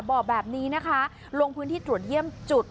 บอกแบบนี้นะคะลงพื้นที่ตรวจเยี่ยมจุด